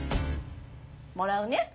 もらうね。